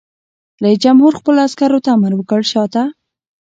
رئیس جمهور خپلو عسکرو ته امر وکړ؛ شاته!